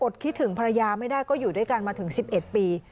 คิดถึงภรรยาไม่ได้ก็อยู่ด้วยกันมาถึง๑๑ปี